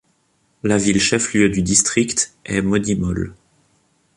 La ville chef-lieu du district est Modimolle.